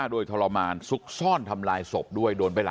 รู้จักชอบพอเรียงคันตอนต่อไป